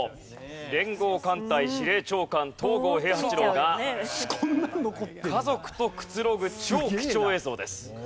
連合艦隊司令長官東郷平八郎が家族とくつろぐ超貴重映像です。